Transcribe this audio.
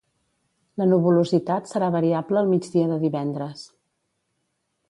La nuvolositat serà variable al migdia de divendres.